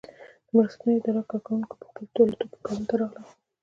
د مرستندویه ادارو کارکوونکي په خپلو الوتکو کې کابل ته راغلل.